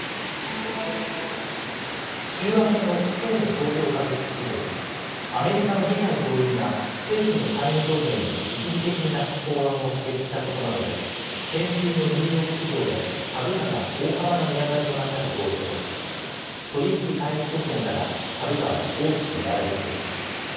週明けのきょうの東京株式市場、アメリカの議会上院が政府の債務上限を一時的になくす法案を可決したことなどで先週のニューヨーク市場で株価が大幅な値上がりとなったことを受けて取り引き開始直後から株価は大きく値上がりしています。